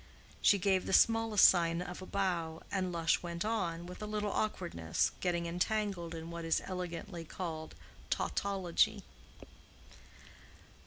She gave the smallest sign of a bow, and Lush went on, with a little awkwardness, getting entangled in what is elegantly called tautology.